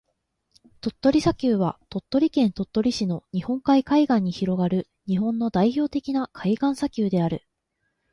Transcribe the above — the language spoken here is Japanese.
鳥取砂丘は、鳥取県鳥取市の日本海海岸に広がる日本の代表的な海岸砂丘である。